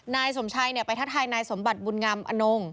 นายสมชัยไปทักทายนายสมบัติบุญงามอนง